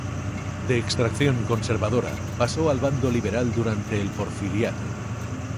De extracción conservadora, pasó al bando liberal durante el porfiriato.